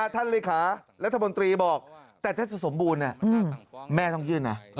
ท่านริคารัฐบนตรีบอกแต่จะสมบูรณ์แม่ต้องยื่นนะ